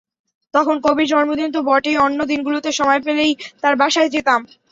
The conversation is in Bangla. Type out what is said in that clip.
তখন কবির জন্মদিনে তো বটেই, অন্য দিনগুলোতে সময় পেলেই তাঁর বাসায় যেতাম।